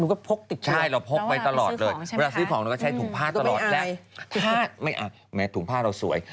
เราก็พกไปตลอดเลยเวลาซื้อของเราก็ใช้ถุงผ้าตลอดแล้วแล้วถุงผ้าเราสวย